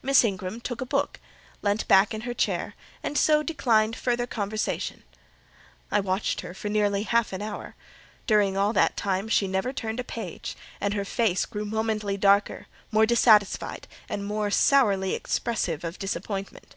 Miss Ingram took a book, leant back in her chair, and so declined further conversation. I watched her for nearly half an hour: during all that time she never turned a page, and her face grew momently darker, more dissatisfied, and more sourly expressive of disappointment.